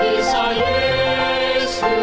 kisah indah sang penembus